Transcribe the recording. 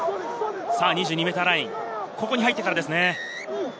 ２２ｍライン、ここに入ってからですね。